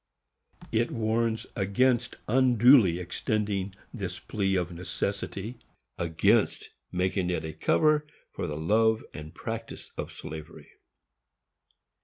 It warns against "unduly extending this plea of necessity," against making it a cover for the love and practice of slavery.